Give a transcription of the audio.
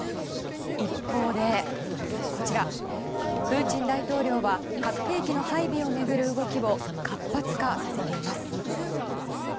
一方で、プーチン大統領は核兵器の配備を巡る動きを活発化させています。